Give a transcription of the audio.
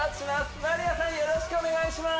よろしくお願いします